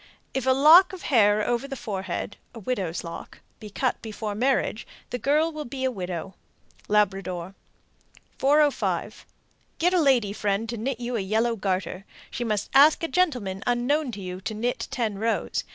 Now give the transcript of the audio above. If a lock of hair over the forehead ("widow's lock") be cut before marriage, the girl will be a widow. Labrador. 405. Get a lady friend to knit you a yellow garter. She must ask a gentleman unknown to you to knit ten rows.